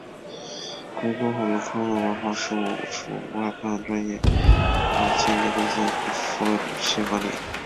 回归后由康乐文化事务署外判专业的清洁公司或社会企业管理。